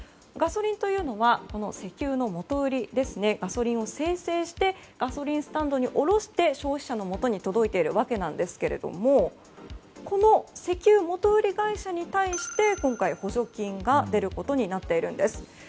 ガソリンというのは石油の元売りがガソリンを精製してガソリンスタンドに卸して消費者に届いているわけですがこの石油元売り会社に対して今回、補助金が出ることになっているんです。